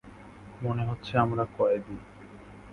মনে হচ্ছে আমরা কয়েদী!